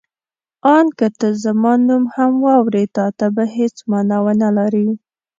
آن که ته زما نوم هم واورې تا ته به هېڅ مانا ونه لري.